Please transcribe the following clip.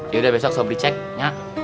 yaudah besok sobri cek ya